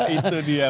itu dia pak